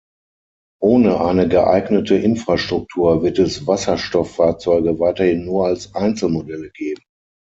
Ohne eine geeignete Infrastruktur wird es Wasserstofffahrzeuge weiterhin nur als Einzelmodelle geben.